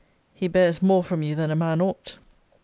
He bears more from you than a man ought.